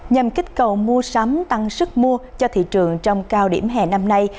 nhằm kích cầu mua sắm tăng sức mua cho thị trường trong cao điểm hè năm nay